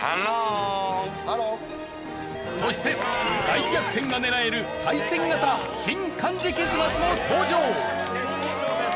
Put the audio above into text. そして大逆転が狙える対戦型新漢字ケシマスも登場！